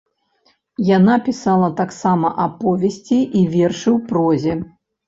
Яна пісала таксама аповесці і вершы ў прозе.